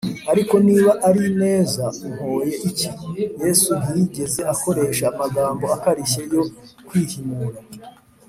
ariko niba ari neza umpoye iki?” yesu ntiyigeze akoresha amagambo akarishye yo kwihimura